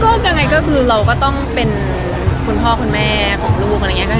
ก็ยังไงก็คือเราก็ต้องเป็นคุณพ่อคุณแม่ของลูก